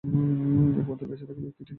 একমাত্র বেঁচে থাকা ব্যক্তিটি যেন হই আমি।